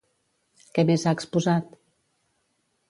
Què més ha exposat?